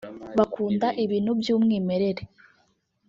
bakunda ibintu by’umwimerere